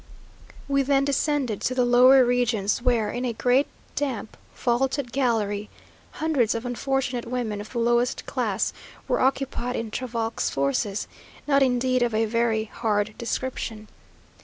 We then descended to the lower regions, where, in a great, damp, vaulted gallery, hundreds of unfortunate women of the lowest class, were occupied in travaux forces not indeed of a very hard description.